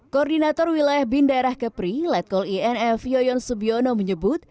koordinator wilayah bin daerah kepri letkol inf yoyon subiono menyebut